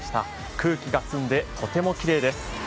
空気が澄んでとてもきれいです。